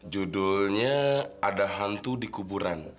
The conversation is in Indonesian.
judulnya ada hantu di kuburan